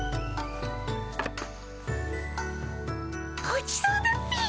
ごちそうだっピ。